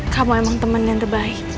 kamu emang temen yang terbaik